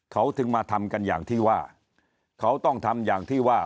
เขาถึงมาทำกันอย่างที่ว่าเขาต้องทำอย่างที่ว่า